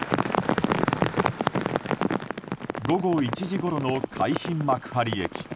午後１時ごろの海浜幕張駅。